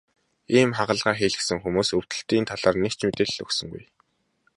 Ийм хагалгаа хийлгэсэн хүмүүс өвдөлтийн талаар нэг ч мэдээлэл өгсөнгүй.